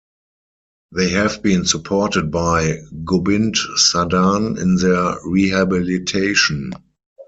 They have been supported by Gobind Sadan in their rehabilitation.